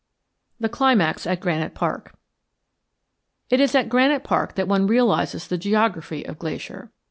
THE CLIMAX AT GRANITE PARK It is at Granite Park that one realizes the geography of Glacier.